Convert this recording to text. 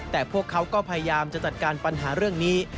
แต่พวกเขาก็พยายามจะจัดการปัญหาเรื่องนี้